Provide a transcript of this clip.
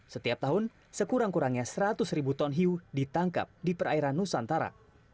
setiap tahun sekurang kurangnya seratus ribu ton hiu ditangkap di perairan nusantara